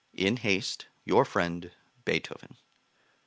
In haste, Your friend, BEETHOVEN.